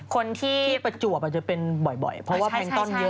คนที่ประจวบอาจจะเป็นบ่อยเพราะว่าเพลงต้นเยอะ